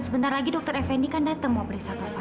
sebentar lagi dokter fni kan datang mau periksa tovan